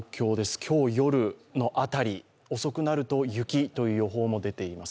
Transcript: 今日夜の辺り、遅くなると雪という予報も出ています。